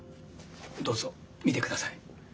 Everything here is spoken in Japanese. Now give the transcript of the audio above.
どうぞ見て下さい。